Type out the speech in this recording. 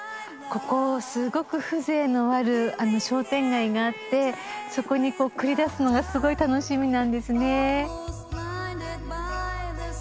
ここすごく風情のある商店街があってそこにこう繰り出すのがすごい楽しみなんですね。